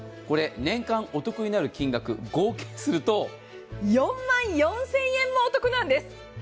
これ、年間お得になる金額、合計すると４万４０００円もお得なんです。